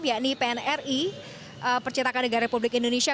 yakni pnri percetakan negara republik indonesia